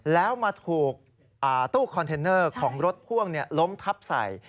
แล้วมาถูกตู้คอนเทนเนอร์ของรถพ่วงล้มทับใส่